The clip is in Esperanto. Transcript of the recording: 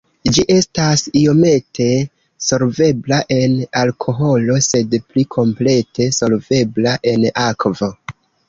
Ĝi estas iomete solvebla en alkoholo sed pli komplete solvebla en akvo.